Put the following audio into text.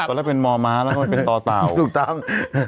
ตอนแรกเป็นมอม้าแล้วก็เป็นต่อเต่าถูกต้อง